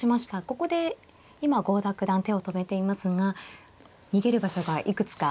ここで今郷田九段手を止めていますが逃げる場所がいくつか。